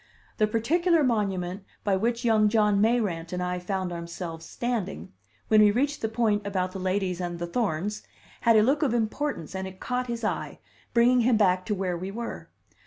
The particular monument by which young John Mayrant and I found ourselves standing, when we reached the point about the ladies and the thorns, had a look of importance and it caught his eye, bringing him back to where we were.